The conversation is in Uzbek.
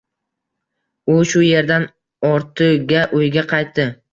U shu yerdan ortigauyga qaytdi